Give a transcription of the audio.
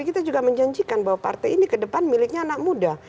karena kita ingin membawa partai ini ke depan miliknya anak muda